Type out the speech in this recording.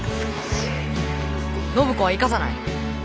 暢子は行かさない。